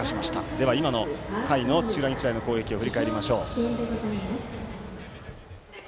では今の回の土浦日大の攻撃を振り返りましょう。